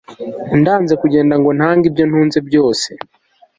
ndanze kugenda ngo ntange ibyo ntunze byose